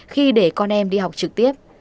khi để con em đi học trực tiếp